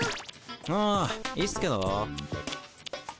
あいいっすけど。